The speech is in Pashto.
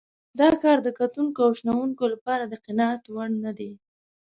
دا کار د کتونکو او شنونکو لپاره د قناعت وړ نه دی.